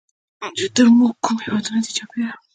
چې تر مونږ کوم هېوادونه دي چاپېره